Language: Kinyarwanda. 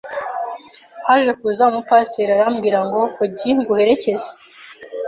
haje kuza umu Pasteur arambwira ngo hogi nguherekeze